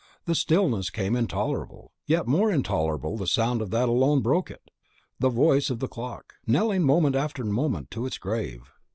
The stillness became intolerable; yet more intolerable the sound that alone broke it, the voice of the clock, knelling moment after moment to its grave.